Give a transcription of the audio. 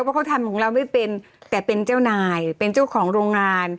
เพราะเขาทำของเราไม่เป็นแต่เป็นเจ้านายเป็นเจ้าของโรงงาน